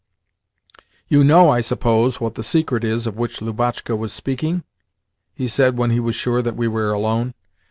"You know, I suppose, what the secret is of which Lubotshka was speaking?" he said when he was sure that we were alone.